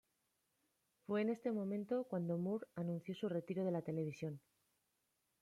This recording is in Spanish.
Fue en este momento cuando Moore anunció su retiro de la televisión.